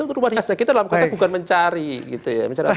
itu rumah hiasnya kita dalam kata bukan mencari gitu ya